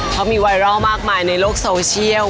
เขามีไวรัลมากมายในโลกโซเชียล